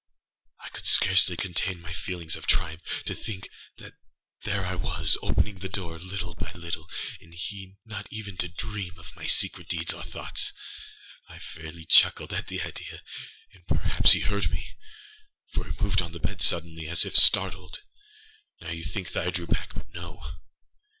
I could scarcely contain my feelings of triumph. To think that there I was, opening the door, little by little, and he not even to dream of my secret deeds or thoughts. I fairly chuckled at the idea; and perhaps he heard me; for he moved on the bed suddenly, as if startled. Now you may think that I drew backâbut no.